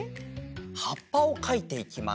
はっぱをかいていきます。